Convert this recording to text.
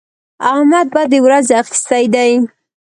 احمد بدې ورځې اخيستی دی.